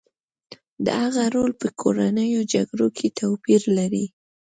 د هغه رول په کورنیو جګړو کې توپیر لري